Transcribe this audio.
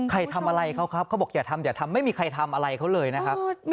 ใครทำอะไรเขาครับเขาบอกอย่าทำอย่าทำไม่มีใครทำอะไรเขาเลยนะครับ